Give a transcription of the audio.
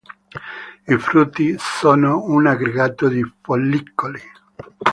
I frutti sono un aggregato di follicoli.